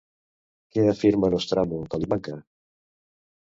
Què afirma Nostramo que li manca?